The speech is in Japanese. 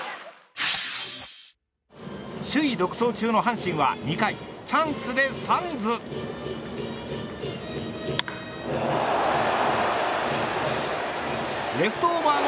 首位独走中の阪神は２回チャンスでサンズ。